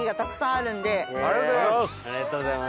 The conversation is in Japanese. ありがとうございます！